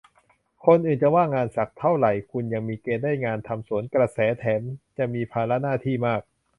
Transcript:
คนอื่นจะว่างงานสักเท่าไหร่คุณยังมีเกณฑ์ได้งานทำสวนกระแส แถมจะมีภาระหน้าที่มาก